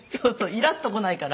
イラッとこないから。